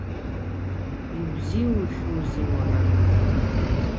Иузиухьоузеи, уара?